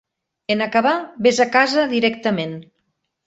En acabar, vés a casa directament.